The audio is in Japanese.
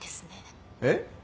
えっ？